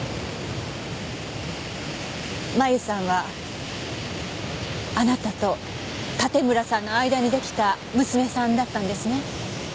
麻由さんはあなたと盾村さんの間に出来た娘さんだったんですね？